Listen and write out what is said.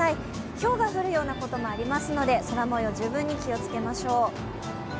ひょうが降るようなこともありますので、空もよう十分に気をつけましょう。